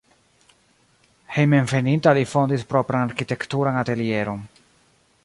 Hejmenveninta li fondis propran arkitekturan atelieron.